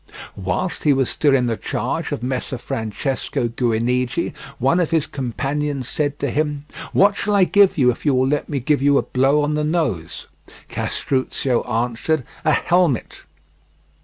Whilst he was still in the charge of Messer Francesco Guinigi, one of his companions said to him: "What shall I give you if you will let me give you a blow on the nose?" Castruccio answered: "A helmet."